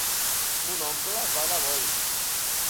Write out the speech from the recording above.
Mon oncle va de bòlit.